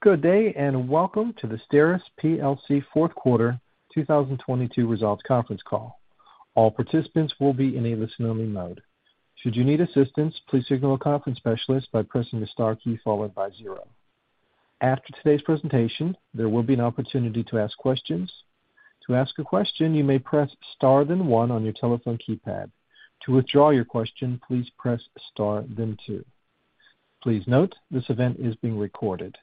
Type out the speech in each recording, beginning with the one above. Good day, and welcome to the STERIS plc Q4 2022 results conference call. All participants will be in a listen-only mode. Should you need assistance, please signal a conference specialist by pressing the star key followed by zero. After today's presentation, there will be an opportunity to ask questions. To ask a question, you may press star then one on your telephone keypad. To withdraw your question, please press star then two. Please note, this event is being recorded.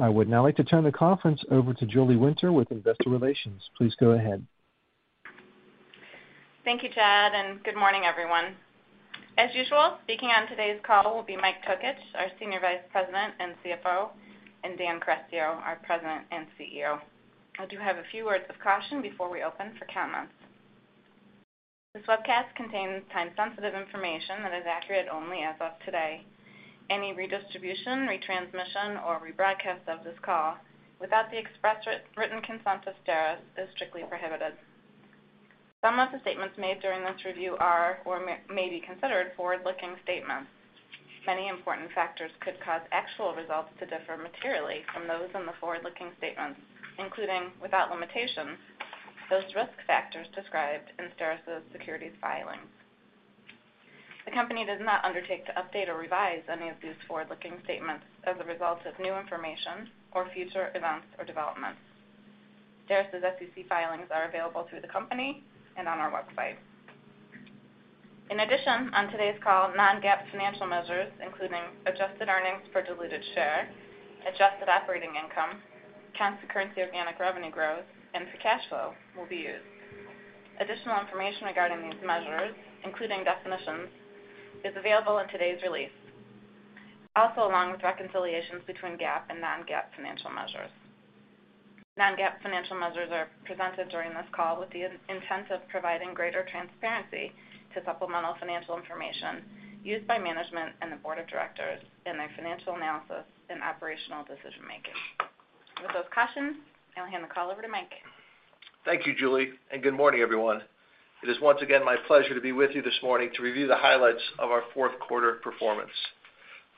I would now like to turn the conference over to Julie Winter with investor relations. Please go ahead. Thank you, Chad, and good morning, everyone. As usual, speaking on today's call will be Mike Tokich, our Senior Vice President and CFO, and Dan Carestio, our President and CEO. I do have a few words of caution before we open for comments. This webcast contains time-sensitive information that is accurate only as of today. Any redistribution, retransmission, or rebroadcast of this call without the express written consent of STERIS is strictly prohibited. Some of the statements made during this review are or may be considered forward-looking statements. Many important factors could cause actual results to differ materially from those in the forward-looking statements, including, without limitation, those risk factors described in STERIS' securities filings. The company does not undertake to update or revise any of these forward-looking statements as a result of new information or future events or developments. STERIS's SEC filings are available through the company and on our website. In addition, on today's call, non-GAAP financial measures, including adjusted earnings per diluted share, adjusted operating income, constant currency organic revenue growth, and free cash flow will be used. Additional information regarding these measures, including definitions, is available in today's release, also along with reconciliations between GAAP and non-GAAP financial measures. Non-GAAP financial measures are presented during this call with the intent of providing greater transparency to supplemental financial information used by management and the board of directors in their financial analysis and operational decision-making. With those cautions, I'll hand the call over to Mike. Thank you, Julie, and good morning, everyone. It is once again my pleasure to be with you this morning to review the highlights of our Q4 performance.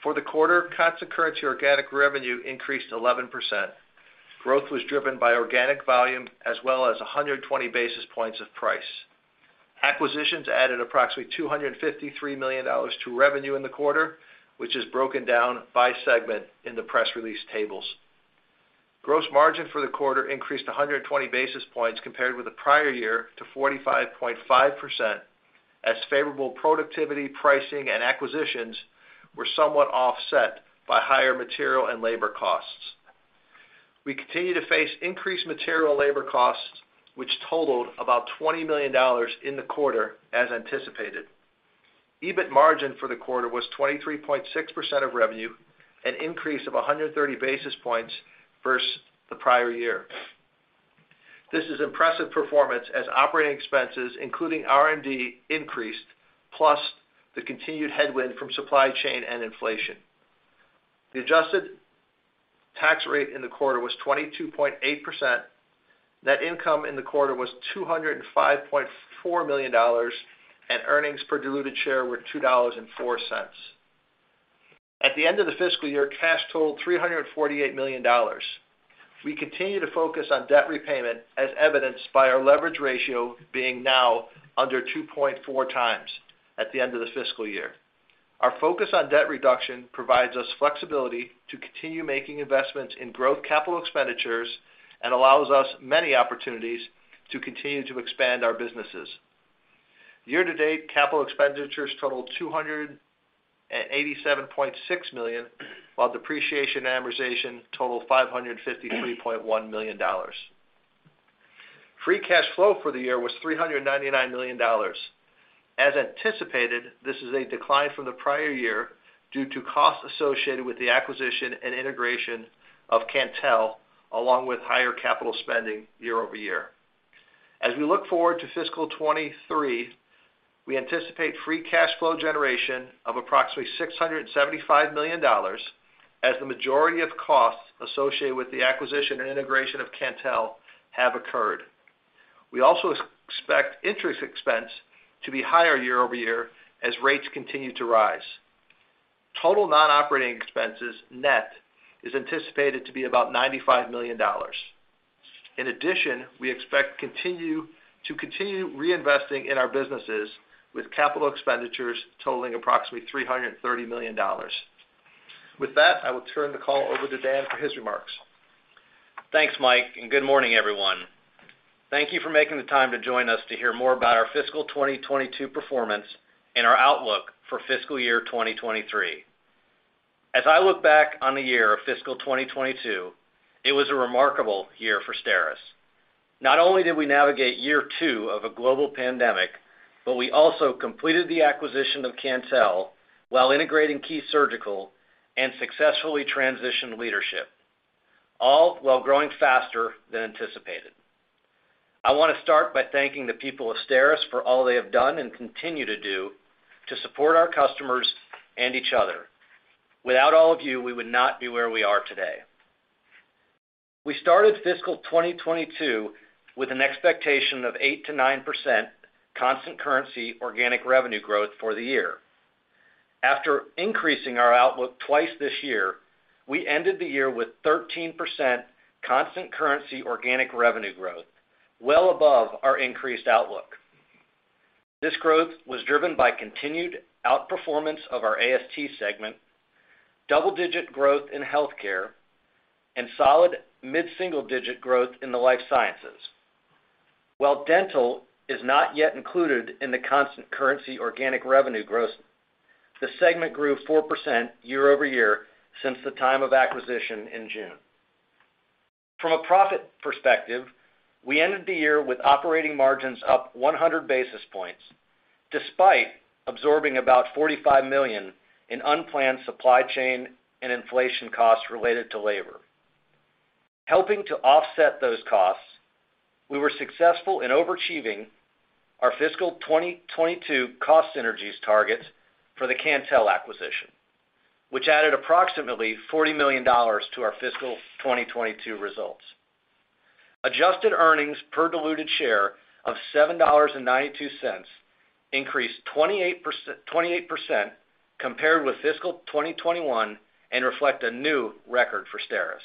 For the quarter, constant currency organic revenue increased 11%. Growth was driven by organic volume as well as 120 basis points of price. Acquisitions added approximately $253 million to revenue in the quarter, which is broken down by segment in the press release tables. Gross margin for the quarter increased 120 basis points compared with the prior year to 45.5% as favorable productivity, pricing, and acquisitions were somewhat offset by higher material and labor costs. We continue to face increased material and labor costs, which totaled about $20 million in the quarter as anticipated. EBIT margin for the quarter was 23.6% of revenue, an increase of 130 basis points versus the prior year. This is impressive performance as operating expenses, including R&D, increased, plus the continued headwind from supply chain and inflation. The adjusted tax rate in the quarter was 22.8%. Net income in the quarter was $205.4 million, and earnings per diluted share were $2.04. At the end of the fiscal year, cash totaled $348 million. We continue to focus on debt repayment as evidenced by our leverage ratio being now under 2.4 times at the end of the fiscal year. Our focus on debt reduction provides us flexibility to continue making investments in growth capital expenditures and allows us many opportunities to continue to expand our businesses. Year to date, capital expenditures totaled $287.6 million, while depreciation and amortization totaled $553.1 million. Free cash flow for the year was $399 million. As anticipated, this is a decline from the prior year due to costs associated with the acquisition and integration of Cantel, along with higher capital spending year-over-year. As we look forward to fiscal 2023, we anticipate free cash flow generation of approximately $675 million as the majority of costs associated with the acquisition and integration of Cantel have occurred. We also expect interest expense to be higher year-over-year as rates continue to rise. Total non-operating expenses net is anticipated to be about $95 million. In addition, we expect to continue reinvesting in our businesses with capital expenditures totaling approximately $330 million. With that, I will turn the call over to Dan for his remarks. Thanks, Mike, and good morning, everyone. Thank you for making the time to join us to hear more about our fiscal 2022 performance and our outlook for fiscal year 2023. As I look back on the year of fiscal 2022, it was a remarkable year for STERIS. Not only did we navigate year two of a global pandemic, but we also completed the acquisition of Cantel while integrating Key Surgical and successfully transitioned leadership, all while growing faster than anticipated. I wanna start by thanking the people of STERIS for all they have done and continue to do to support our customers and each other. Without all of you, we would not be where we are today. We started fiscal 2022 with an expectation of 8%-9% constant currency organic revenue growth for the year. After increasing our outlook twice this year, we ended the year with 13% constant currency organic revenue growth, well above our increased outlook. This growth was driven by continued outperformance of our AST segment, double-digit growth in healthcare, and solid mid-single-digit growth in the life sciences. While dental is not yet included in the constant currency organic revenue growth, the segment grew 4% year-over-year since the time of acquisition in June. From a profit perspective, we ended the year with operating margins up 100 basis points, despite absorbing about $45 million in unplanned supply chain and inflation costs related to labor. Helping to offset those costs, we were successful in overachieving our fiscal 2022 cost synergies targets for the Cantel acquisition, which added approximately $40 million to our fiscal 2022 results. Adjusted earnings per diluted share of $7.92 increased 28% compared with fiscal 2021 and reflect a new record for STERIS.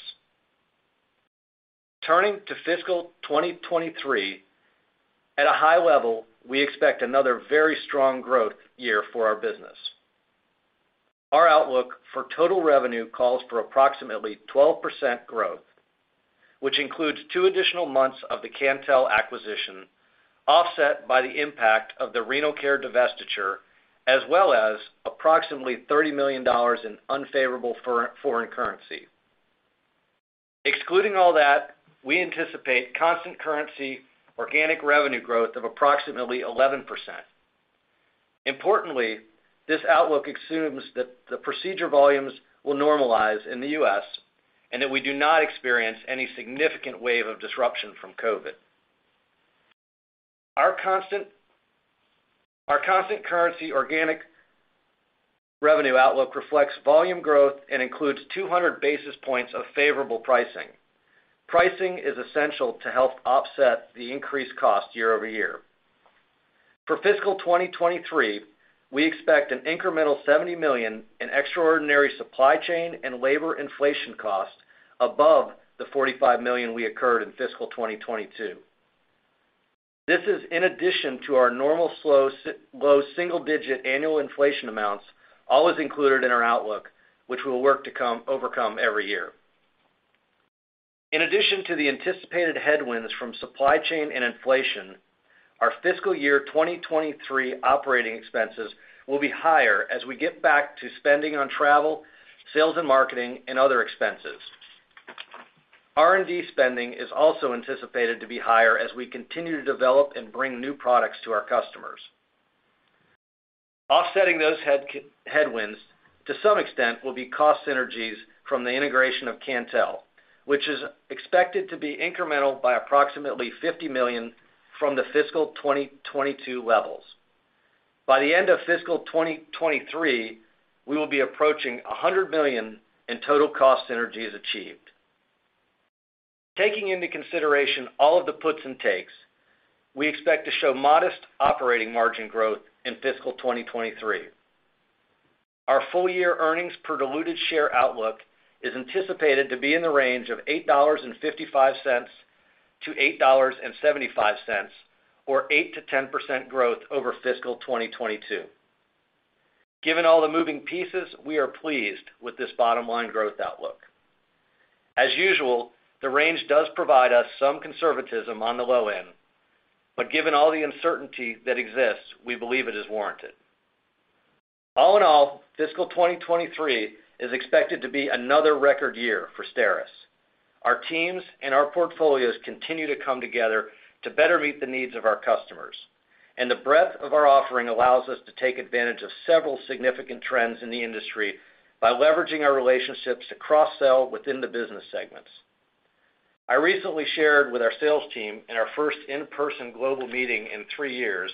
Turning to fiscal 2023, at a high level, we expect another very strong growth year for our business. Our outlook for total revenue calls for approximately 12% growth, which includes two additional months of the Cantel acquisition, offset by the impact of the Renal Care divestiture, as well as approximately $30 million in unfavorable foreign currency. Excluding all that, we anticipate constant currency organic revenue growth of approximately 11%. Importantly, this outlook assumes that the procedure volumes will normalize in the U.S. and that we do not experience any significant wave of disruption from COVID. Our constant currency organic revenue outlook reflects volume growth and includes 200 basis points of favorable pricing. Pricing is essential to help offset the increased cost year over year. For fiscal 2023, we expect an incremental $70 million in extraordinary supply chain and labor inflation costs above the $45 million we incurred in fiscal 2022. This is in addition to our normal low single-digit annual inflation amounts, all is included in our outlook, which we'll work to overcome every year. In addition to the anticipated headwinds from supply chain and inflation, our fiscal year 2023 operating expenses will be higher as we get back to spending on travel, sales and marketing and other expenses. R&D spending is also anticipated to be higher as we continue to develop and bring new products to our customers. Offsetting those headwinds, to some extent, will be cost synergies from the integration of Cantel, which is expected to be incremental by approximately $50 million from the fiscal 2022 levels. By the end of fiscal 2023, we will be approaching $100 million in total cost synergies achieved. Taking into consideration all of the puts and takes, we expect to show modest operating margin growth in fiscal 2023. Our full year earnings per diluted share outlook is anticipated to be in the range of $8.55-$8.75, or 8%-10% growth over fiscal 2022. Given all the moving pieces, we are pleased with this bottom line growth outlook. As usual, the range does provide us some conservatism on the low end. Given all the uncertainty that exists, we believe it is warranted. All in all, fiscal 2023 is expected to be another record year for STERIS. Our teams and our portfolios continue to come together to better meet the needs of our customers. The breadth of our offering allows us to take advantage of several significant trends in the industry by leveraging our relationships to cross-sell within the business segments. I recently shared with our sales team in our first in-person global meeting in three years,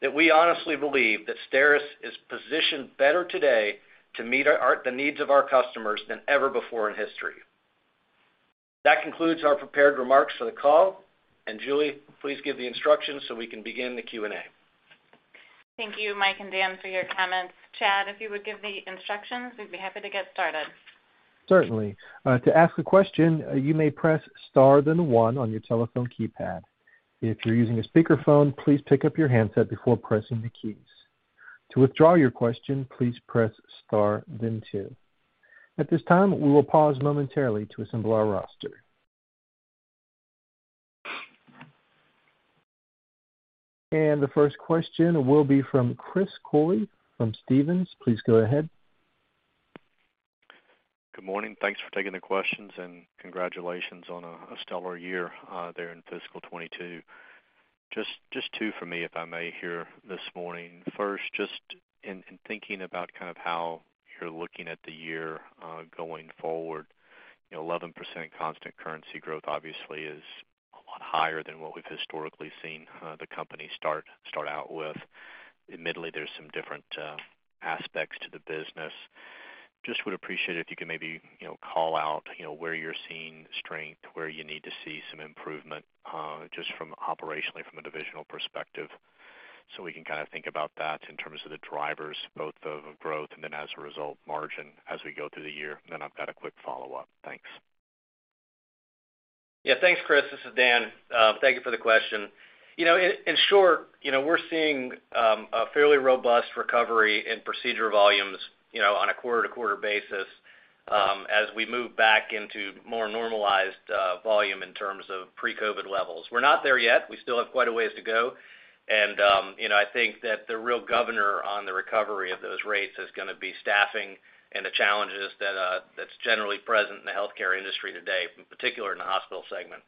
that we honestly believe that STERIS is positioned better today to meet the needs of our customers than ever before in history. That concludes our prepared remarks for the call. Julie, please give the instructions so we can begin the Q&A. Thank you, Mike and Dan, for your comments. Chad, if you would give the instructions, we'd be happy to get started. Certainly. To ask a question, you may press star then one on your telephone keypad. If you're using a speakerphone, please pick up your handset before pressing the keys. To withdraw your question, please press star then two. At this time, we will pause momentarily to assemble our roster. The first question will be from Chris Cooley from Stephens. Please go ahead. Good morning. Thanks for taking the questions, and congratulations on a stellar year there in fiscal 2022. Just two for me, if I may here this morning. First, just in thinking about kind of how you're looking at the year going forward, you know, 11% constant currency growth obviously is higher than what we've historically seen the company start out with. Admittedly, there's some different aspects to the business. Just would appreciate if you could maybe, you know, call out, you know, where you're seeing strength, where you need to see some improvement, just from operationally from a divisional perspective, so we can kind of think about that in terms of the drivers, both of growth and then as a result, margin as we go through the year. Then I've got a quick follow-up. Thanks. Yeah. Thanks, Chris. This is Dan. Thank you for the question. You know, in short, you know, we're seeing a fairly robust recovery in procedure volumes, you know, on a quarter-to-quarter basis, as we move back into more normalized volume in terms of pre-COVID levels. We're not there yet. We still have quite a ways to go. You know, I think that the real governor on the recovery of those rates is gonna be staffing and the challenges that's generally present in the healthcare industry today, in particular in the hospital segment.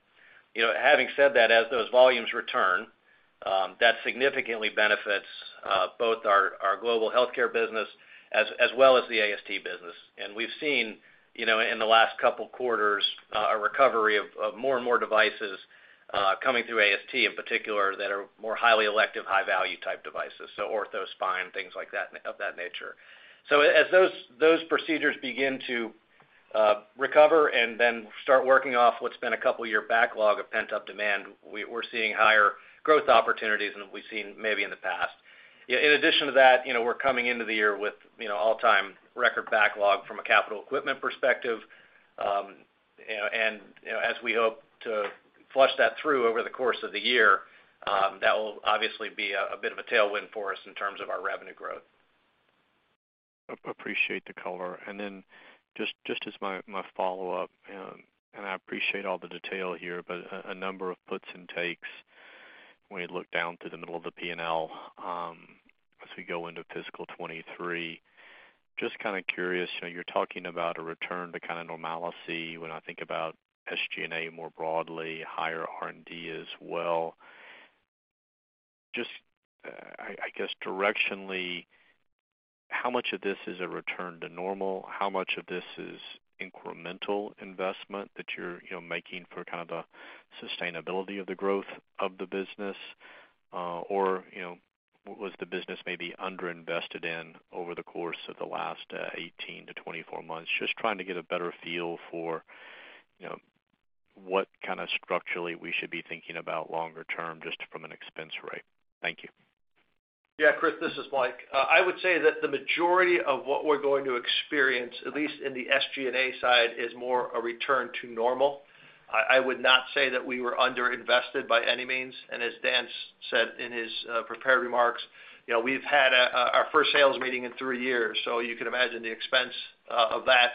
You know, having said that, as those volumes return, that significantly benefits both our global healthcare business as well as the AST business. We've seen, you know, in the last couple quarters, a recovery of more and more devices coming through AST in particular that are more highly elective, high value type devices, so ortho, spine, things like that, of that nature. As those procedures begin to recover and then start working off what's been a couple year backlog of pent-up demand, we're seeing higher growth opportunities than we've seen maybe in the past. In addition to that, you know, we're coming into the year with, you know, all-time record backlog from a capital equipment perspective. You know, as we hope to flush that through over the course of the year, that will obviously be a bit of a tailwind for us in terms of our revenue growth. Appreciate the color. Just as my follow-up, I appreciate all the detail here, but a number of puts and takes when you look down through the middle of the P&L, as we go into fiscal 2023. Just kind of curious, you know, you're talking about a return to kind of normalcy when I think about SG&A more broadly, higher R&D as well. I guess directionally, how much of this is a return to normal? How much of this is incremental investment that you're, you know, making for kind of the sustainability of the growth of the business? Or, you know, was the business maybe underinvested in over the course of the last 18-24 months? Just trying to get a better feel for, you know, what kind of structurally we should be thinking about longer term just from an expense rate. Thank you. Yeah, Chris, this is Mike. I would say that the majority of what we're going to experience, at least in the SG&A side, is more a return to normal. I would not say that we were underinvested by any means. As Dan said in his prepared remarks, you know, we've had our first sales meeting in three years, so you can imagine the expense of that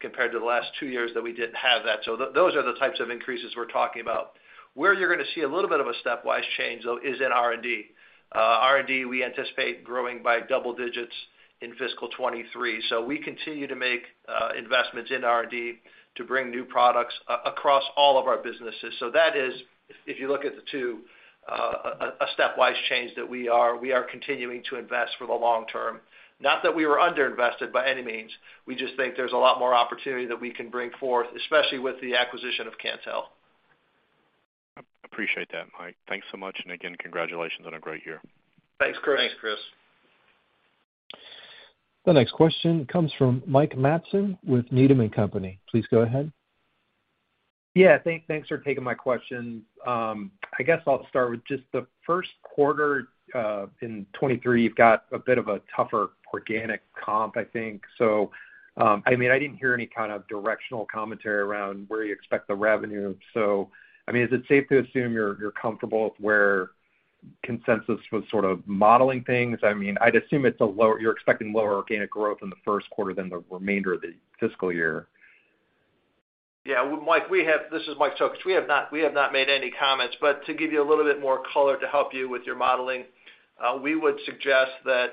compared to the last two years that we didn't have that. Those are the types of increases we're talking about. Where you're going to see a little bit of a stepwise change, though, is in R&D. R&D, we anticipate growing by double digits in fiscal 2023. We continue to make investments in R&D to bring new products across all of our businesses. That is, if you look at the two, a stepwise change that we are continuing to invest for the long term. Not that we were underinvested by any means. We just think there's a lot more opportunity that we can bring forth, especially with the acquisition of Cantel. Appreciate that, Mike. Thanks so much. Again, congratulations on a great year. Thanks, Chris. Thanks, Chris. The next question comes from Mike Matson with Needham & Company. Please go ahead. Yeah. Thanks for taking my question. I guess I'll start with just the Q1 in 2023. You've got a bit of a tougher organic comp, I think. I mean, I didn't hear any kind of directional commentary around where you expect the revenue. I mean, is it safe to assume you're comfortable with where consensus was sort of modeling things? I mean, I'd assume it's lower, you're expecting lower organic growth in the Q1 than the remainder of the fiscal year. Yeah. Mike, this is Mike Tokich. We have not made any comments, but to give you a little bit more color to help you with your modeling, we would suggest that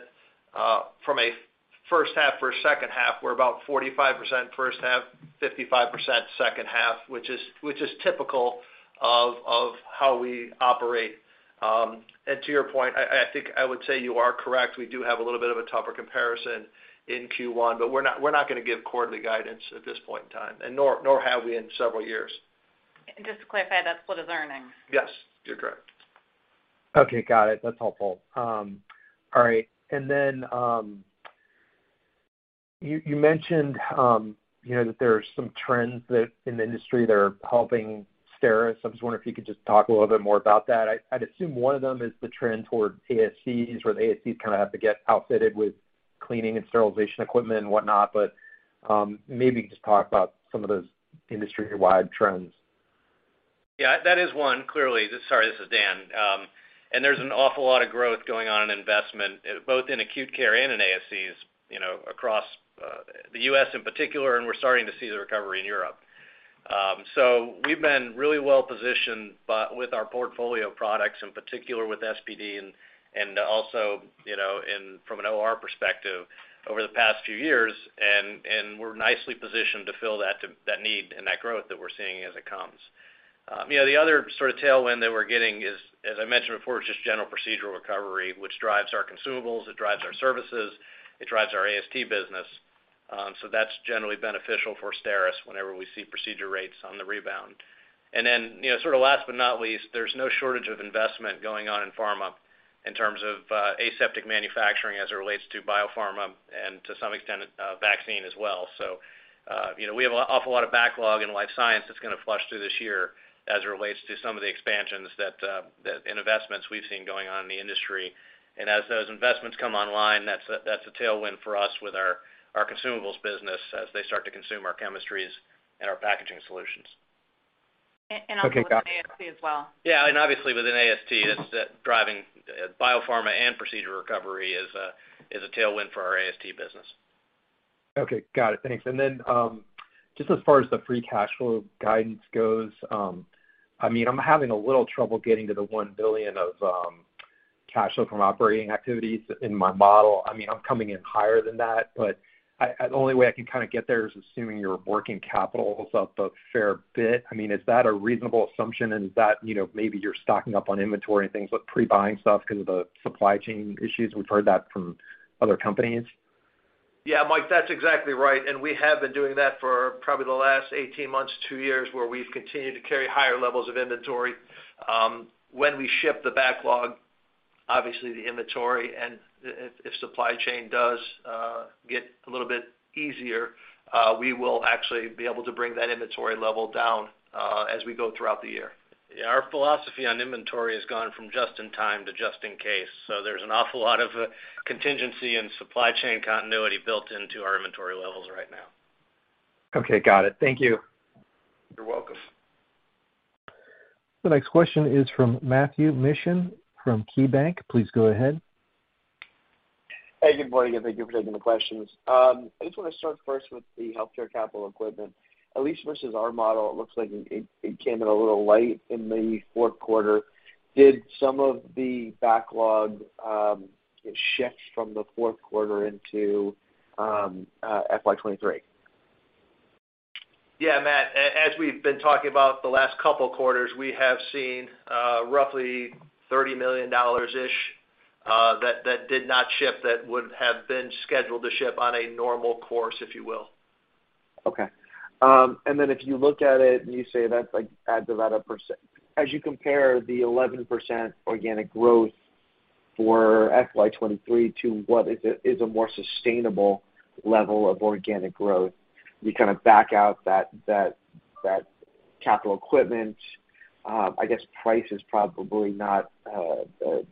from a first half versus second half, we're about 45% first half, 55% second half, which is typical of how we operate. To your point, I think I would say you are correct. We do have a little bit of a tougher comparison in Q1, but we're not going to give quarterly guidance at this point in time, and nor have we in several years. Just to clarify, that's for this earnings? Yes, you're correct. Okay. Got it. That's helpful. All right. You mentioned you know that there are some trends in the industry that are helping STERIS. I was wondering if you could just talk a little bit more about that. I'd assume one of them is the trend toward ASCs, where the ASCs kind of have to get outfitted with cleaning and sterilization equipment and whatnot, but maybe just talk about some of those industry-wide trends. Yeah. That is one, clearly. Sorry, this is Dan. There's an awful lot of growth going on in investment, both in acute care and in ASCs, you know, across the U.S. in particular, and we're starting to see the recovery in Europe. We've been really well positioned with our portfolio of products, in particular with SPD and also, you know, from an OR perspective over the past few years, and we're nicely positioned to fill that need and that growth that we're seeing as it comes. You know, the other sort of tailwind that we're getting is, as I mentioned before, just general procedural recovery, which drives our consumables, it drives our services, it drives our AST business. That's generally beneficial for STERIS whenever we see procedure rates on the rebound. You know, sort of last but not least, there's no shortage of investment going on in pharma in terms of aseptic manufacturing as it relates to biopharma and to some extent vaccine as well. You know, we have an awful lot of backlog in life science that's gonna flush through this year as it relates to some of the expansions that and investments we've seen going on in the industry. As those investments come online, that's a tailwind for us with our consumables business as they start to consume our chemistries and our packaging solutions. also with AST as well. Yeah, obviously within AST, biopharma and procedural recovery is a tailwind for our AST business. Okay. Got it. Thanks. Just as far as the free cash flow guidance goes, I mean, I'm having a little trouble getting to the $1 billion of cash flow from operating activities in my model. I mean, I'm coming in higher than that, but the only way I can kinda get there is assuming your working capital is up a fair bit. I mean, is that a reasonable assumption? Is that, you know, maybe you're stocking up on inventory and things, like pre-buying stuff because of the supply chain issues? We've heard that from other companies. Yeah, Mike, that's exactly right. We have been doing that for probably the last 18 months to 2 years, where we've continued to carry higher levels of inventory. When we ship the backlog, obviously the inventory and if supply chain does get a little bit easier, we will actually be able to bring that inventory level down as we go throughout the year. Yeah. Our philosophy on inventory has gone from just in time to just in case. There's an awful lot of contingency and supply chain continuity built into our inventory levels right now. Okay. Got it. Thank you. You're welcome. The next question is from Matt Mishan from KeyBanc. Please go ahead. Hey, good morning, and thank you for taking the questions. I just wanna start first with the healthcare capital equipment. At least versus our model, it looks like it came in a little light in the Q4. Did some of the backlog get shipped from the Q4 into FY 2023? Yeah, Matt, as we've been talking about the last couple quarters, we have seen roughly $30 million-ish that did not ship that would have been scheduled to ship on a normal course, if you will. Okay. If you look at it and you say that's like add to that a percent. As you compare the 11% organic growth for FY 2023 to what is a more sustainable level of organic growth, you kinda back out that capital equipment. I guess price is probably not, you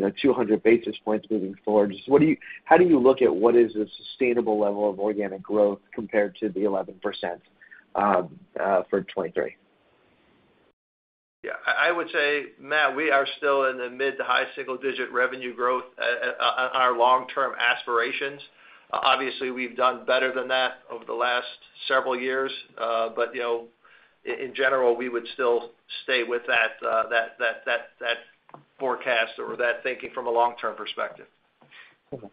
know, 200 basis points moving forward. Just what do you, how do you look at what is a sustainable level of organic growth compared to the 11% for 2023? I would say, Matt, we are still in the mid- to high-single-digit revenue growth on our long-term aspirations. Obviously, we've done better than that over the last several years. You know, in general, we would still stay with that forecast or that thinking from a long-term perspective. Okay.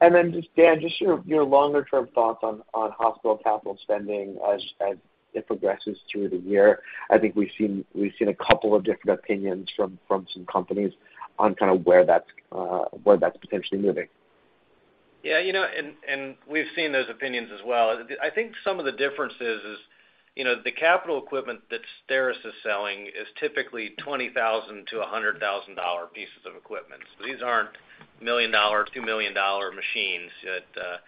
Then just, Dan, just your longer term thoughts on hospital capital spending as it progresses through the year. I think we've seen a couple of different opinions from some companies on kind of where that's potentially moving. Yeah, you know, we've seen those opinions as well. I think some of the differences is, you know, the capital equipment that STERIS is selling is typically $20,000-$100,000 pieces of equipment. So these aren't $1 million, $2 million machines that.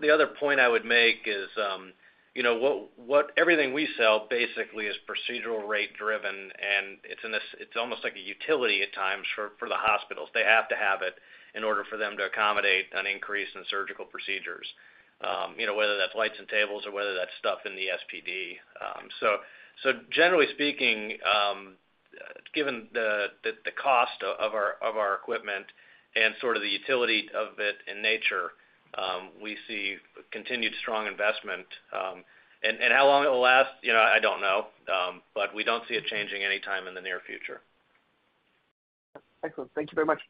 The other point I would make is, you know, everything we sell basically is procedural rate driven, and it's almost like a utility at times for the hospitals. They have to have it in order for them to accommodate an increase in surgical procedures, you know, whether that's lights and tables or whether that's stuff in the SPD. Generally speaking, given the cost of our equipment and sort of the utility of it in nature, we see continued strong investment. How long it'll last, you know, I don't know. We don't see it changing any time in the near future. Excellent. Thank you very much.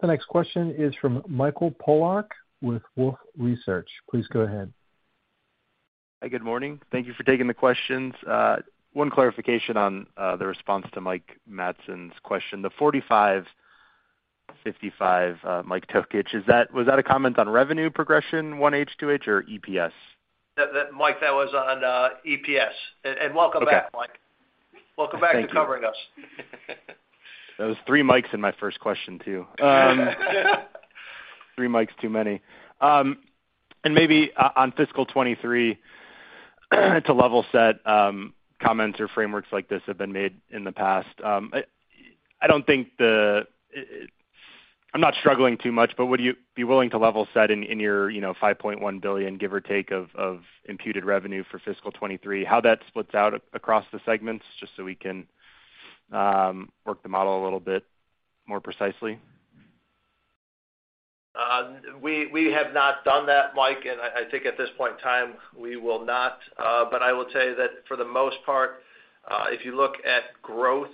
The next question is from Michael Polark with Wolfe Research. Please go ahead. Hi, good morning. Thank you for taking the questions. One clarification on the response to Mike Matson's question. The 45-55, Mike Tokich, was that a comment on revenue progression, 1H to H or EPS? That, Mike, that was on EPS. Okay. Welcome back, Mike. Thank you. Welcome back to covering us. That was three Mikes in my first question, too. Three Mikes too many. Maybe on fiscal 2023, to level set, comments or frameworks like this have been made in the past. I don't think. I'm not struggling too much, but would you be willing to level set in your, you know, $5.1 billion, give or take, of imputed revenue for fiscal 2023, how that splits out across the segments, just so we can work the model a little bit more precisely? We have not done that, Mike, and I think at this point in time, we will not. I will tell you that for the most part, if you look at growth,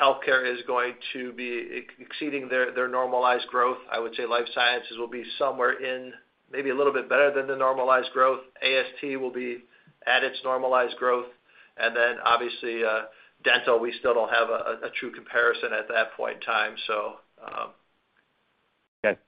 healthcare is going to be exceeding their normalized growth. I would say life sciences will be somewhere in maybe a little bit better than the normalized growth. AST will be at its normalized growth. Obviously, dental, we still don't have a true comparison at that point in time. Okay.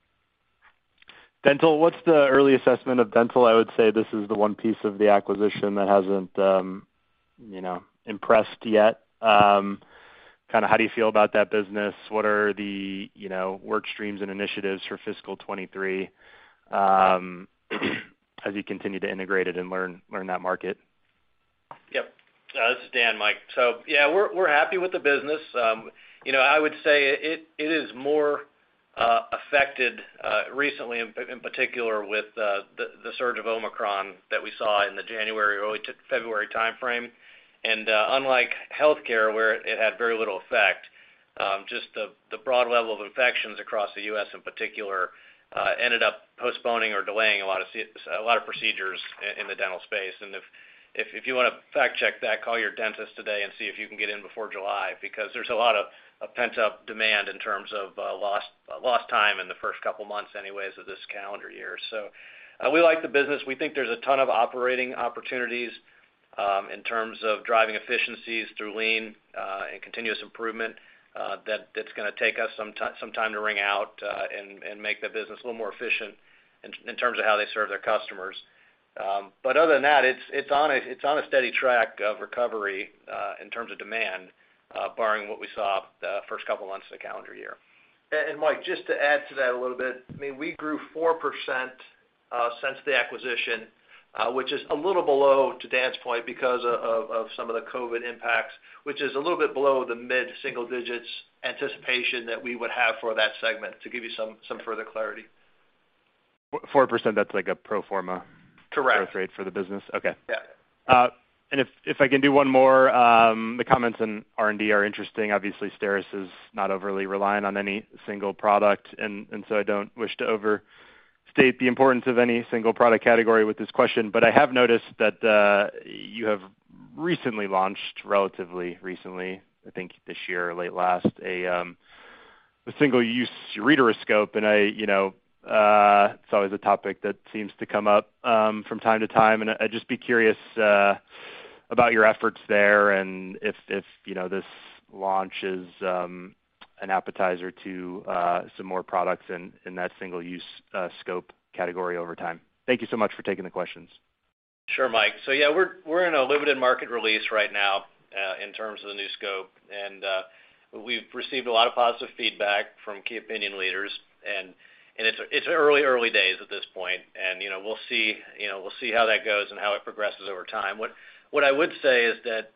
Dental, what's the early assessment of dental? I would say this is the one piece of the acquisition that hasn't, you know, impressed yet. Kind of how do you feel about that business? What are the, you know, work streams and initiatives for fiscal 2023, as you continue to integrate it and learn that market? Yep. This is Dan, Mike. Yeah, we're happy with the business. You know, I would say it is more affected recently, in particular with the surge of Omicron that we saw in the January, early to February timeframe. Unlike healthcare, where it had very little effect, just the broad level of infections across the U.S. in particular ended up postponing or delaying a lot of procedures in the dental space. If you wanna fact check that, call your dentist today and see if you can get in before July, because there's a lot of pent-up demand in terms of lost time in the first couple months anyways of this calendar year. We like the business. We think there's a ton of operating opportunities in terms of driving efficiencies through lean and continuous improvement that's gonna take us some time to wring out and make the business a little more efficient in terms of how they serve their customers. Other than that, it's on a steady track of recovery in terms of demand barring what we saw the first couple months of the calendar year. Mike, just to add to that a little bit, I mean, we grew 4%, since the acquisition, which is a little bit below, to Dan's point, because of some of the COVID impacts, which is a little bit below the mid-single digits anticipation that we would have for that segment, to give you some further clarity. 4%, that's like a pro forma- Correct growth rate for the business? Okay. Yeah. If I can do one more, the comments on R&D are interesting. Obviously, STERIS is not overly reliant on any single product, and so I don't wish to overstate the importance of any single product category with this question. I have noticed that you have recently launched, relatively recently, I think this year or late last, a single use ureteroscope, and you know, it's always a topic that seems to come up from time to time, and I'd just be curious about your efforts there and if you know, this launch is an appetizer to some more products in that single use scope category over time. Thank you so much for taking the questions. Sure, Mike. Yeah, we're in a limited market release right now in terms of the new scope, and we've received a lot of positive feedback from key opinion leaders. It's early days at this point, and you know, we'll see how that goes and how it progresses over time. What I would say is that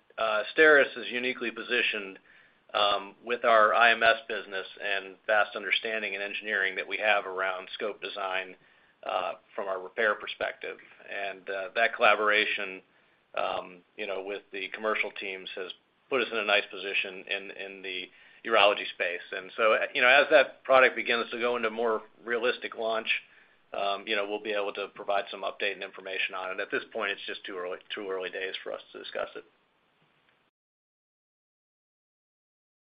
STERIS is uniquely positioned with our IMS business and vast understanding and engineering that we have around scope design from our repair perspective. That collaboration you know with the commercial teams has put us in a nice position in the urology space. You know, as that product begins to go into more realistic launch, you know, we'll be able to provide some update and information on it. At this point, it's just too early days for us to discuss it.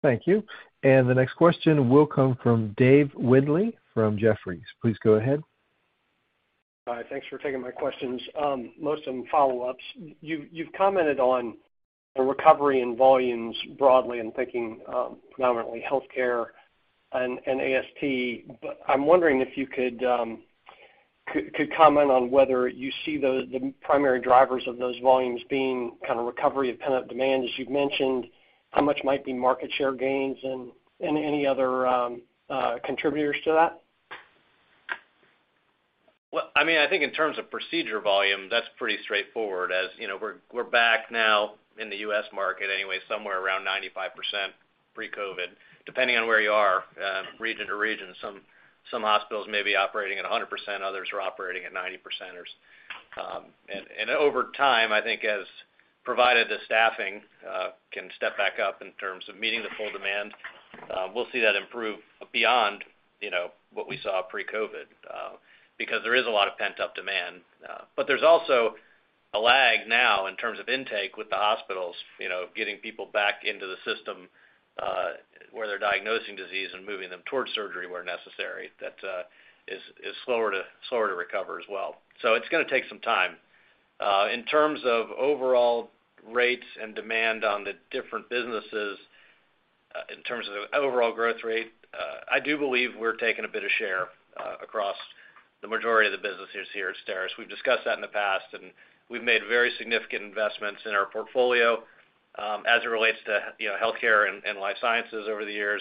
Thank you. The next question will come from Dave Windley from Jefferies. Please go ahead. Hi. Thanks for taking my questions. Most of them follow-ups. You've commented on the recovery in volumes broadly, I'm thinking, predominantly healthcare and AST, but I'm wondering if you could comment on whether you see the primary drivers of those volumes being kind of recovery of pent-up demand, as you've mentioned, how much might be market share gains and any other contributors to that? Well, I mean, I think in terms of procedure volume, that's pretty straightforward. As you know, we're back now, in the U.S. market anyway, somewhere around 95% pre-COVID, depending on where you are, region to region. Some hospitals may be operating at 100%, others are operating at 90% or so. Over time, I think as provided the staffing can step back up in terms of meeting the full demand, we'll see that improve beyond, you know, what we saw pre-COVID, because there is a lot of pent-up demand. But there's also a lag now in terms of intake with the hospitals, you know, getting people back into the system, where they're diagnosing disease and moving them towards surgery where necessary. That is slower to recover as well. It's gonna take some time. In terms of overall rates and demand on the different businesses, in terms of overall growth rate, I do believe we're taking a bit of share across the majority of the businesses here at STERIS. We've discussed that in the past, and we've made very significant investments in our portfolio, as it relates to, you know, healthcare and life sciences over the years,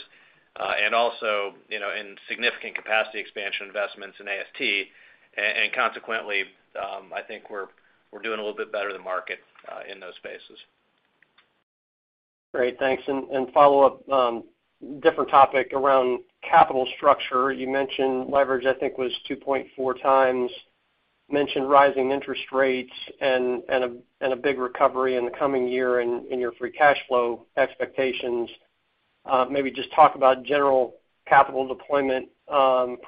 and also, you know, in significant capacity expansion investments in AST. And consequently, I think we're doing a little bit better than market in those spaces. Great. Thanks. follow up, different topic around capital structure. You mentioned leverage, I think, was 2.4 times, mentioned rising interest rates and a big recovery in the coming year in your free cash flow expectations. Maybe just talk about general capital deployment,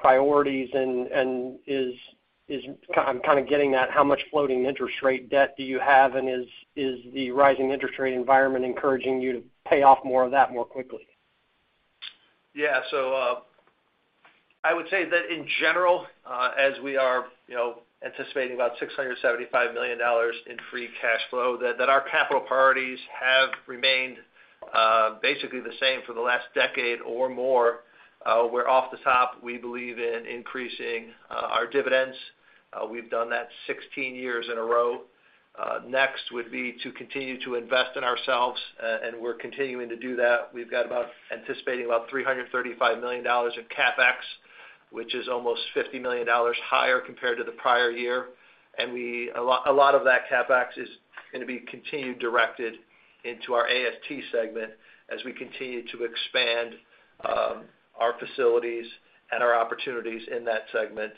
priorities and I'm kind of getting at how much floating interest rate debt do you have, and is the rising interest rate environment encouraging you to pay off more of that more quickly? I would say that in general, as we are, you know, anticipating about $675 million in free cash flow, that our capital priorities have remained basically the same for the last decade or more. We're off the top, we believe in increasing our dividends. We've done that 16 years in a row. Next would be to continue to invest in ourselves, and we're continuing to do that. Anticipating about $335 million of CapEx, which is almost $50 million higher compared to the prior year. A lot of that CapEx is gonna be continued, directed into our AST segment as we continue to expand our facilities and our opportunities in that segment.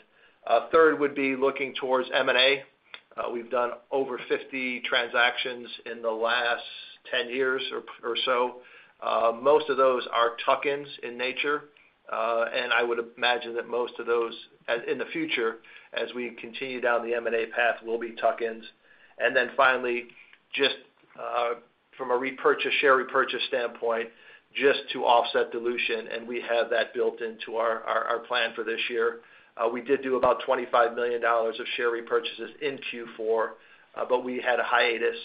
Third would be looking towards M&A. We've done over 50 transactions in the last 10 years or so. Most of those are tuck-ins in nature. I would imagine that most of those in the future, as we continue down the M&A path, will be tuck-ins. Then finally, just from a repurchase, share repurchase standpoint, just to offset dilution, and we have that built into our plan for this year. We did do about $25 million of share repurchases in Q4, but we had a hiatus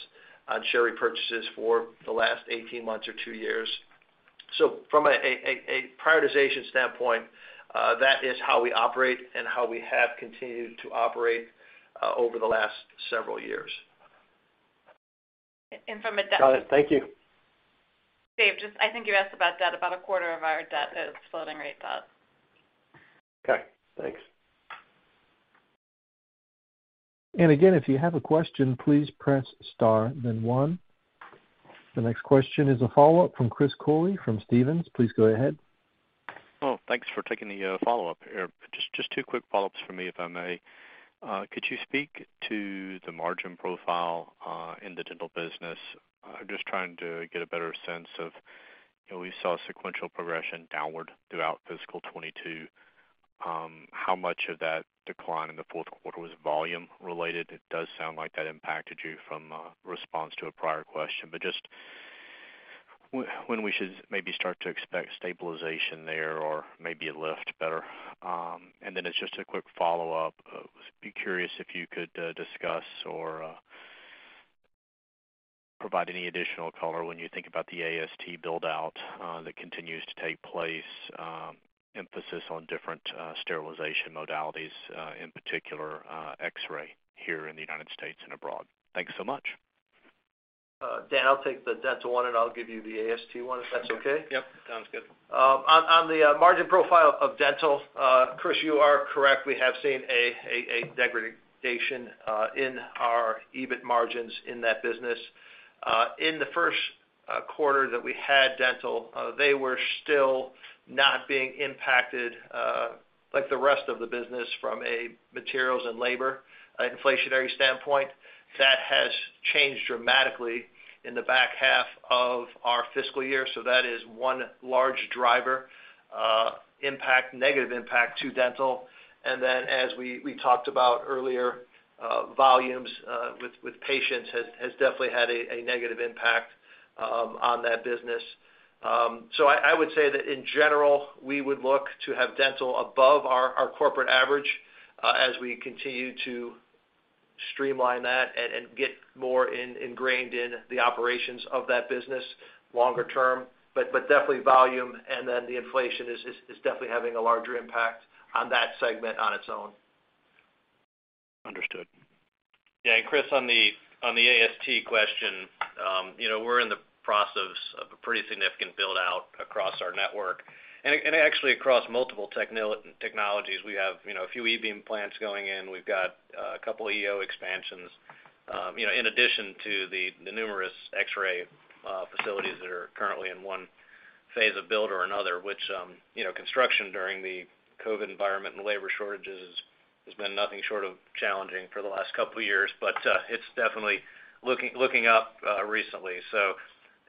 on share repurchases for the last 18 months or 2 years. From a prioritization standpoint, that is how we operate and how we have continued to operate over the last several years. From a debt- Got it. Thank you. Dave, just I think you asked about debt. About a quarter of our debt is floating rate debt. Okay, thanks. Again, if you have a question, please press star then one. The next question is a follow-up from Chris Cooley from Stephens. Please go ahead. Oh, thanks for taking the follow-up here. Just two quick follow-ups for me, if I may. Could you speak to the margin profile in the dental business? I'm just trying to get a better sense of, you know, we saw sequential progression downward throughout fiscal 2022. How much of that decline in the Q4 was volume related? It does sound like that impacted you from a response to a prior question. But just when we should maybe start to expect stabilization there or maybe a lift better. And then it's just a quick follow-up. I'd be curious if you could discuss or provide any additional color when you think about the AST build-out that continues to take place, emphasis on different sterilization modalities, in particular, X-ray here in the United States and abroad. Thank you so much. Dan, I'll take the dental one, and I'll give you the AST one, if that's okay. Yep, sounds good. On the margin profile of dental, Chris, you are correct. We have seen a degradation in our EBIT margins in that business. In the Q1 that we had dental, they were still not being impacted like the rest of the business from a materials and labor inflationary standpoint. That has changed dramatically in the back half of our fiscal year, so that is one large driver, impact, negative impact to dental. Then as we talked about earlier, volumes with patients has definitely had a negative impact on that business. I would say that in general, we would look to have dental above our corporate average, as we continue to streamline that and get more ingrained in the operations of that business longer term. Definitely volume and then the inflation is definitely having a larger impact on that segment on its own. Understood. Yeah. Chris, on the AST question, you know, we're in the process of a pretty significant build-out across our network and actually across multiple technologies. We have, you know, a few E-beam plants going in. We've got a couple of EO expansions, you know, in addition to the numerous X-ray facilities that are currently in one phase of build or another, which, you know, construction during the COVID environment and labor shortages has been nothing short of challenging for the last couple of years. It's definitely looking up recently.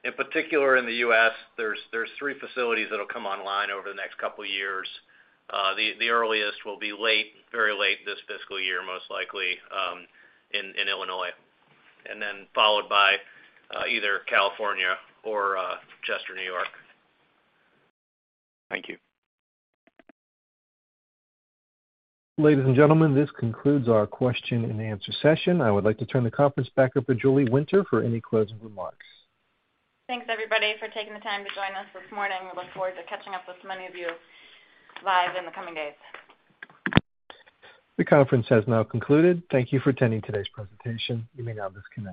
In particular in the U.S., there are three facilities that'll come online over the next couple of years. The earliest will be late, very late this fiscal year, most likely, in Illinois, and then followed by either California or Chester, New York. Thank you. Ladies and gentlemen, this concludes our Q&A session. I would like to turn the conference back over to Julie Winter for any closing remarks. Thanks, everybody, for taking the time to join us this morning. We look forward to catching up with many of you live in the coming days. The conference has now concluded. Thank you for attending today's presentation. You may now disconnect.